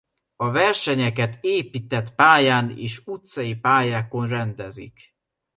A versenyeket épített pályán és utcai pályákon rendezik.